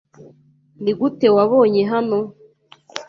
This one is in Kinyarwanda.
Nigute wabonye hano?